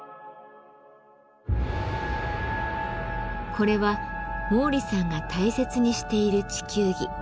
これは毛利さんが大切にしている地球儀。